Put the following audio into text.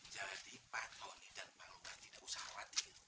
jadi pak tony dan pak luka tidak usah khawatir